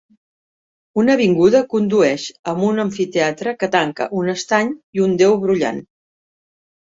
Una avinguda condueix a un amfiteatre que tanca un estany i un deu brollant.